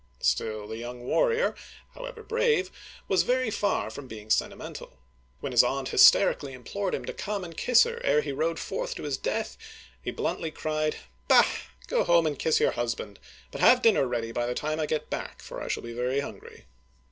Still, the young warrior, however brave, was very far from being sentimental : when his aunt hysterically implored him to come and kiss her ere he rode forth to his death, he bluntly cried, " Bah, go home and kiss your husband, but have dinner ready by the time I get back, for I shall be very hungry